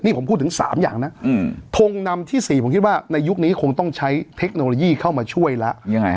นี่ผมพูดถึง๓อย่างนะทงนำที่๔ผมคิดว่าในยุคนี้คงต้องใช้เทคโนโลยีเข้ามาช่วยแล้ว